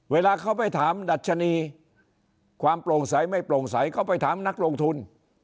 เวลาเขาไปถามดัชนีความโปร่งใสไม่โปร่งใสเขาไปถามนักลงทุน